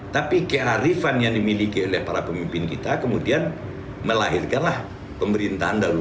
tapi kearifan yang dimiliki oleh para pemimpin kita kemudian melahirkanlah pemerintahan